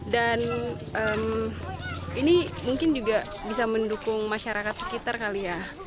dan ini mungkin juga bisa mendukung masyarakat sekitar kali ya